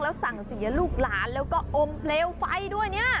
แล้วสั่งเสียลูกหลานแล้วก็อมเปลวไฟด้วยเนี่ย